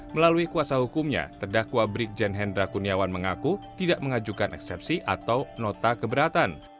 melalui kuasa hukumnya terdakwa brigjen hendra kuniawan mengaku tidak mengajukan eksepsi atau nota keberatan